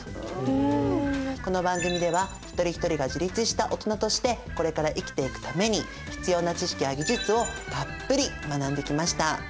この番組では一人一人が自立した大人としてこれから生きていくために必要な知識や技術をたっぷり学んできました。